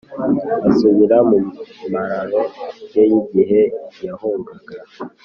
asubira mu mararo ye y'igihe yahungaga